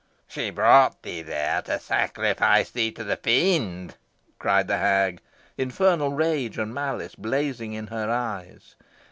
"She brought thee there to sacrifice thee to the Fiend!" cried the hag, infernal rage and malice blazing in her eyes.